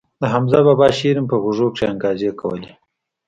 د حمزه بابا شعر مې په غوږو کښې انګازې کولې.